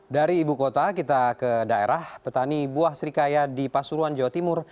dari ibu kota kita ke daerah petani buah serikaya di pasuruan jawa timur